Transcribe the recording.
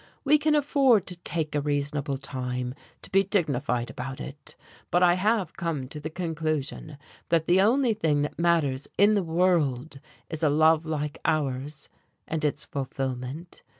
We can afford to take a reasonable time, to be dignified about it. But I have come to the conclusion that the only thing that matters in the world is a love like ours, and its fulfilment.